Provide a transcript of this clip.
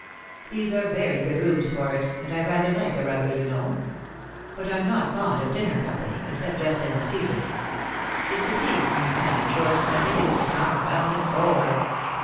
These axe very good rooms for it, and I rather like a rubber you know. But I'm not fond of dinner company, except just in the season. It fatigues me, and, in short, I think it is a confounded bore.